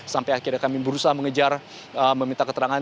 sampai akhirnya kami berusaha mengejar meminta keterangan